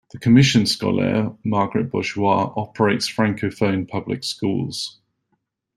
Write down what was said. The "Commission scolaire Marguerite-Bourgeoys" operates Francophone public schools.